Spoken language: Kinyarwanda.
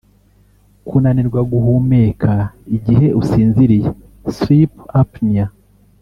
Kunanirwa guhumeka igihe usinziriye (sleep apnea)